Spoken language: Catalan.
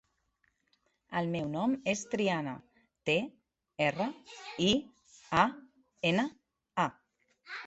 El meu nom és Triana: te, erra, i, a, ena, a.